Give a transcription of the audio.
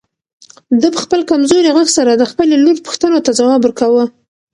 ده په خپل کمزوري غږ سره د خپلې لور پوښتنو ته ځواب ورکاوه.